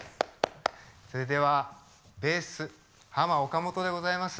それではベースハマ・オカモトでございます。